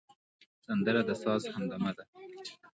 سندره د ساز همدمه ده